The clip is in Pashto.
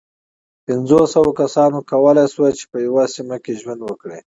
پينځو سوو کسانو کولی شول، چې په یوه سیمه کې ژوند وکړي.